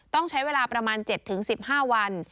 ต้องใช้เวลาประมาณ๗๑๕วัน